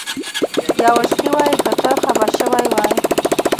یاورسکي وایي که ته خبر شوی وای.